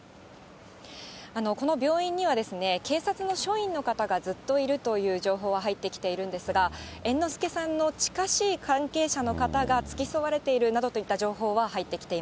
この病院には、警察の署員の方がずっといるという情報は入ってきているんですが、猿之助さんの近しい関係者の方が付き添われているなどといった情